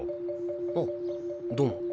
あどうも。